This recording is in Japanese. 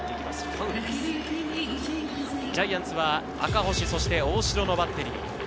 ジャイアンツは赤星、そして大城のバッテリー。